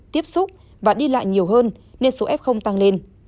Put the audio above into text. tiếp xúc và đi lại nhiều hơn nên số f tăng lên